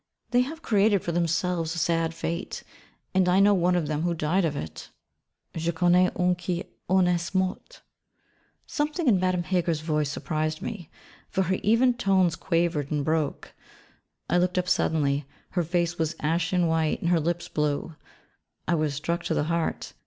They have created for themselves a sad fate; and I know one of them who died of it (j'en connais une qui en est morte).' Something in Madame Heger's voice surprised me, for her even tones quavered and broke. I looked up suddenly, her face was ashen white and her lips blue. I was struck to the heart.